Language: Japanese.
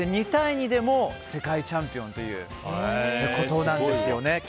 ２対２でも世界チャンピオンということなんですね。